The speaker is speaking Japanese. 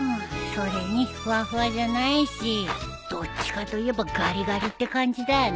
それにふわふわじゃないしどっちかといえばガリガリって感じだよね。